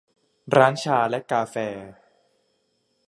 ร้านชาและกาแฟ